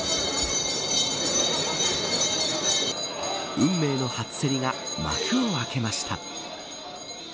運命の初競りが幕を開けました。